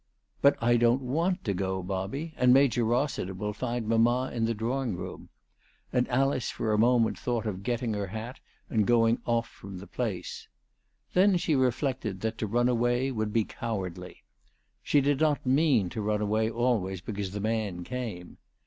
"But I don't want to go, Bobby, and Major Rossiter will find mamma in the drawing room;" and Alice for a moment thought of getting her hat and going off from the place. Then she reflected that to run away would be cowardly. She did not mean to run away always because the man came.